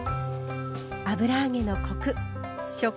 油揚げのコク食感